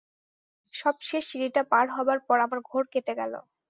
সব-শেষ সিঁড়িটা পার হবার পর আমার ঘোর কেটে গেল।